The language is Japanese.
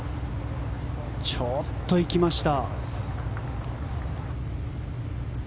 ちょっと行きました。